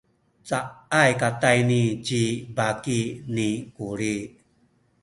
caay katayni ci baki ni Kuli.